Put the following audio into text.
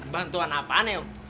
bantuan apaan ya om